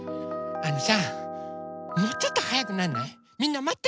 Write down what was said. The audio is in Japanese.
あのさもうちょっとはやくなんない？